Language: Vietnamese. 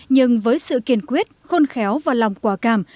nhưng với sự kiên quyết khôn khéo và lòng quả cảm